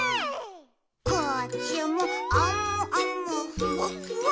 「こっちもあむあむふわっふわ」